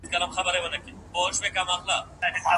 د خاوند او ميرمني تر منځ مصاهرت هم شته.